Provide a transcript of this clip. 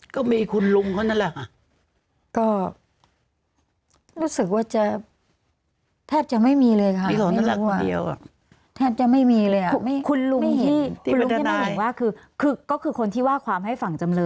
ก็มีคุณลุงเขานั่นแหละอ่ะก็รู้สึกว่าจะแทบจะไม่มีเลยค่ะไม่รู้อ่ะแทบจะไม่มีเลยอ่ะคุณลุงที่ไม่เห็นว่าคือคือก็คือคนที่ว่าความให้ฝั่งจำเลย